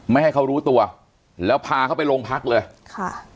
ไม่ให้เขารู้ตัวแล้วพาเขาไปโรงพักเลยค่ะ